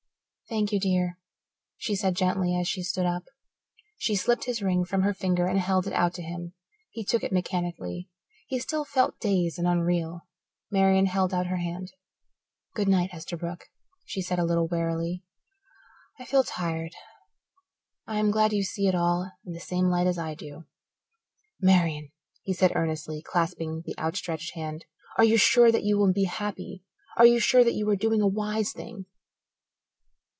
"Thank you, dear," she said gently, as she stood up. She slipped his ring from her finger and held it out to him. He took it mechanically. He still felt dazed and unreal. Marian held out her hand. "Good night, Esterbrook," she said, a little wearily. "I feel tired. I am glad you see it all in the same light as I do." "Marian," he said earnestly, clasping the outstretched hand, "are you sure that you will be happy are you sure that you are doing a wise thing?"